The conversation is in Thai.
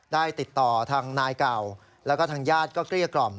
ได้ติดต่อทางนายเก่าแล้วก็ทางญาติก็เกลี้ยกล่อม